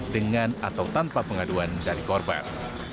dengan atau tanpa pengaduan dari korban